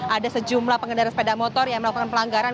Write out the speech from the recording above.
ada sejumlah pengendara sepeda motor yang melakukan pelanggaran